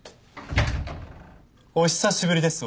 お久しぶりです